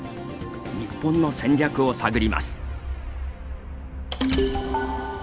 日本の戦略を探ります。